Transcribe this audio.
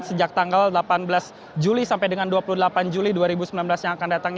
sejak tanggal delapan belas juli sampai dengan dua puluh delapan juli dua ribu sembilan belas yang akan datang